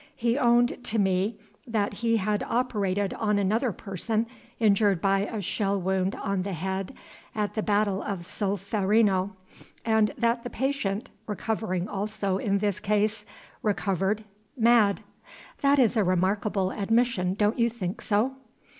He owned to me that he had operated on another person injured by a shell wound on the head at the battle of Solferino, and that the patient (recovering also in this case) recovered mad. That is a remarkable admission; don't you think so?"